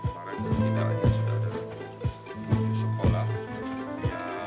paling setidaknya sudah ada sekolah yang punya